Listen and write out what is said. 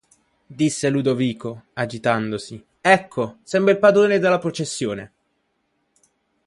Disse Ludovico, agitandosi – ecco, sembra il padrone della processione!